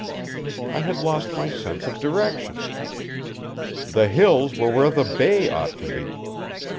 I had lost my sense of direction. The hills were where the bay ought to be.